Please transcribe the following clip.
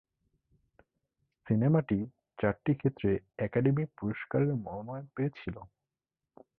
সিনেমাটি চারটি ক্ষেত্রে অ্যাকাডেমি পুরস্কারের মনোনয়ন পেয়েছিল।